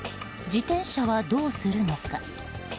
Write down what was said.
自転車はどうするのか。